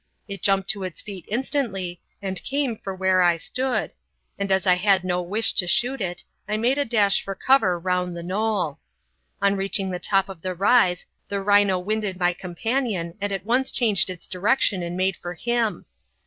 It jumped to its feet instantly and came for where I stood, and as I had no wish to shoot it, I made a dash for cover round the knoll. On reaching the top of the rise, the rhino winded my companion and at once changed its direction and made for him.